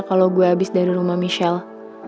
kalo gue abis dari rumah michelle